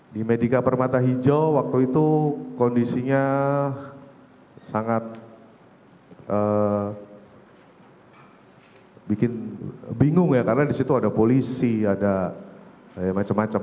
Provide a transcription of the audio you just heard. di medica permata hijau waktu itu kondisinya sangat bingung ya karena disitu ada polisi ada macam macam